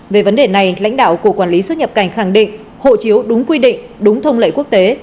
về vấn đề này lãnh đạo cục quản lý xuất nhập cảnh khẳng định hộ chiếu đúng quy định đúng thông lệ quốc tế